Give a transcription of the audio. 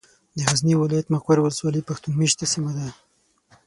د غزني ولايت ، مقر ولسوالي پښتون مېشته سيمه ده.